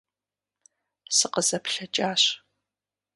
СыкъызэплъэкӀащ.